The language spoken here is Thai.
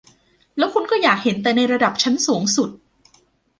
แล้วคุณก็อยากเห็นแต่ในระดับชั้นสูงสุด